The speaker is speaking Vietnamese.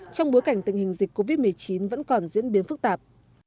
trong bối cảnh tình hình dịch covid một mươi chín vẫn còn diễn biến phức tạp